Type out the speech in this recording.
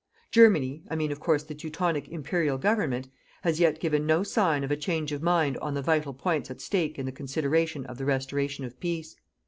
Germany I mean, of course, the Teutonic Imperial Government has yet given no sign of a change of mind on the vital points at stake in the consideration of the restoration of peace.